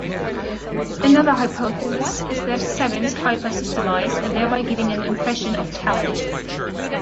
Another hypothesis is that savants hyper-systemize, thereby giving an impression of talent.